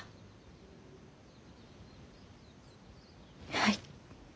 はい。